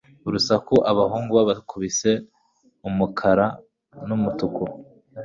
urusaku Abahungu babakubise umukara numutuku